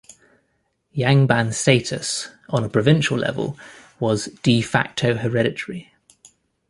Yangban status on a provincial level was "de facto" hereditary.